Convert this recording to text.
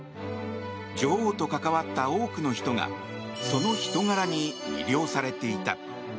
女王と関わった多くの人がその人柄に魅了されていた。